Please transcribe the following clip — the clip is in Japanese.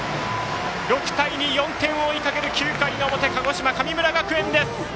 ６対２、４点を追いかける９回の表鹿児島の神村学園です！